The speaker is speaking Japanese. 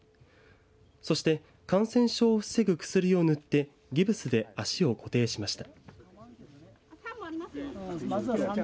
そして感染症を防ぐ薬を塗ってギプスで足を固定しました。